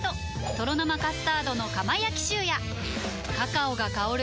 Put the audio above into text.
「とろ生カスタードの窯焼きシュー」やカカオが香る！